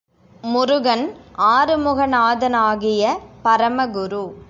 முருகன் ஆறுமுக நாதனாகிய பரமகுரு.